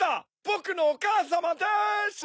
ぼくのおかあさまです！